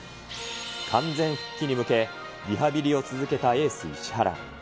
完全復帰に向け、リハビリを続けたエース、石原。